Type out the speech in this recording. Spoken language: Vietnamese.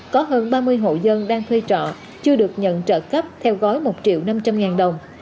có hơn ba mươi hộ dân đang thuê trọ chưa được nhận trợ cấp theo gói một triệu năm trăm linh ngàn đồng